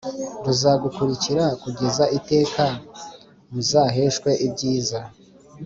Ruzagukurikira kugeza iteka muzaheshwe ibyiza